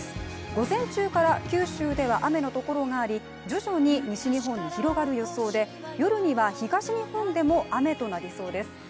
午前中から九州では雨のところがあり徐々に西日本に広がる予想で夜には東日本でも雨となりそうです。